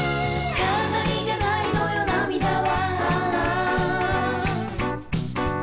「ラララ」「飾りじゃないのよ涙は」